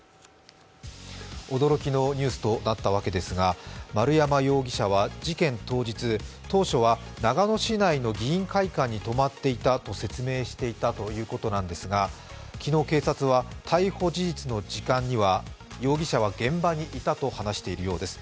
驚きのニュースとなったわけですが、丸山容疑者は事件当日、当初は長野市内の議員会館に泊まっていたと説明していたということなんですが昨日、警察は逮捕事実の時間には容疑者は現場にいたと話しているようです。